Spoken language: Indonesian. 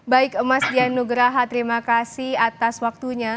baik mas dian nugraha terima kasih atas waktunya